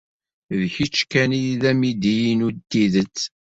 D kečč kan ay d amidi-inu n tidet.